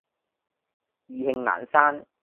意興闌珊